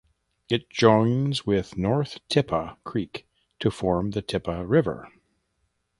It joins with North Tippah Creek to form the Tippah River.